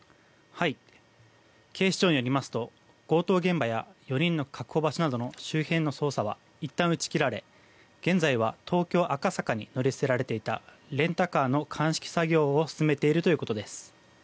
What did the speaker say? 警視庁によりますと強盗現場や４人の確保場所などの周辺の捜査はいったん打ち切られ現在は東京・赤坂に乗り捨てられていたレンタカーの鑑識作業を進めているということです。